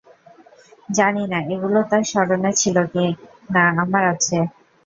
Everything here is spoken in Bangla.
জানি না এগুলো তার স্মরণে ছিল কিনা, আমার আছে।